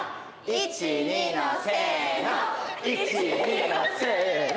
１２のせの１２のせの。